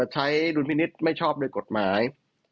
ใช้รุ้นพินิศไม่ชอบด้วยกฎหมาย